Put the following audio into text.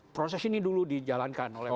proses ini dulu dijalankan oleh